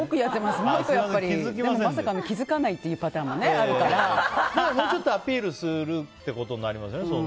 まさかの気づかないパターンももうちょっとアピールするってことになりません？